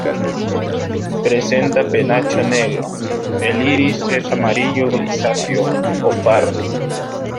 Presenta penacho negro; el iris es amarillo grisáceo o pardo.